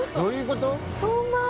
こんばんは。